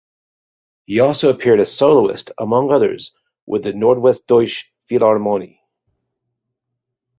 He also appeared as soloist among others with the Nordwestdeutsche Philharmonie.